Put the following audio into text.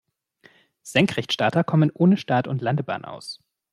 Senkrechtstarter kommen ohne Start- und Landebahn aus.